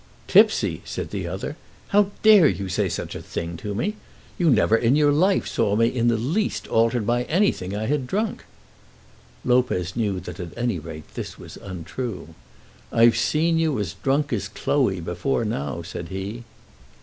"Tipsy!" said the other. "How dare you say such a thing to me? You never in your life saw me in the least altered by any thing I had drunk." Lopez knew that at any rate this was untrue. "I've seen you as drunk as Cloe before now," said he.